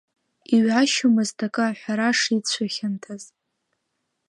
Иҩашьомызт акы аҳәара шицәыхьанҭаз…